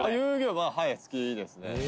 はい好きですね」